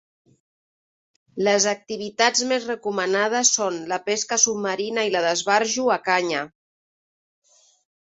Les activitats més recomanades són la pesca submarina i la d'esbarjo a canya.